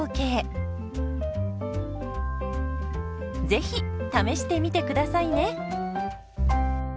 ぜひ試してみてくださいね。